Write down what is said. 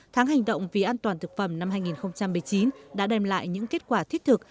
tháng hành động vì an toàn thực phẩm năm hai nghìn một mươi chín đã đem lại những kết quả thiết thực